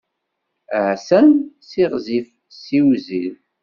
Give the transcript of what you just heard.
Aha san! Siɣzif, siwzil.